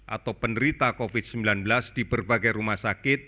atau penderita covid sembilan belas di berbagai rumah sakit